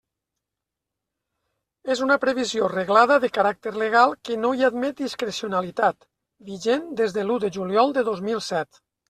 És una previsió reglada de caràcter legal que no hi admet discrecionalitat, vigent des de l'u de juliol de dos mil set.